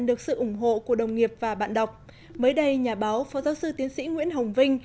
được sự ủng hộ của đồng nghiệp và bạn đọc mới đây nhà báo phó giáo sư tiến sĩ nguyễn hồng vinh